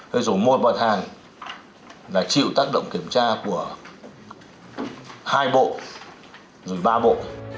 với dù một mặt hàng đã chịu tác động kiểm tra của hai bộ rồi ba bộ